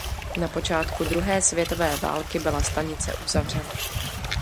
Na počátku druhé světové války byla stanice uzavřena.